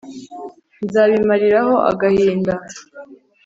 nzabimariraho agahinda,